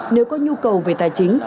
nếu có nhu cầu về tài chính